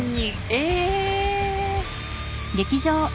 え！